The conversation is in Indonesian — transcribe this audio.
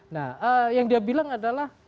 nah yang dia bilang adalah